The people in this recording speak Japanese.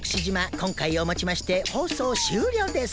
今回を持ちまして放送終了です。